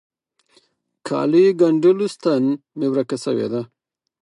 کاليو ګنډلو ستن مي ورکه سوي وه.